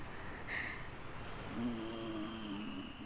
うん。